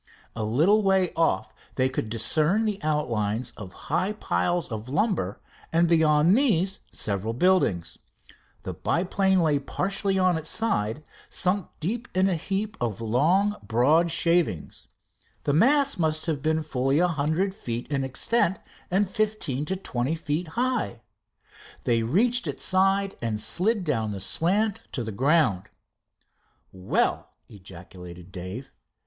A little way off they could discern the outlines of high piles of lumber and beyond these several buildings. The biplane lay partly on its side, sunk deep in a heap of long, broad shavings. The mass must have been fully a hundred feet in extent and fifteen to twenty feet high. They reached its side and slid down the slant to the ground. "Well!" ejaculated Dave.